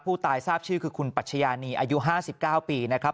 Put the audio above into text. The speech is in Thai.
ทราบชื่อคือคุณปัชญานีอายุ๕๙ปีนะครับ